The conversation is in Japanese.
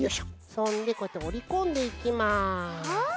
そんでこうやっておりこんでいきます。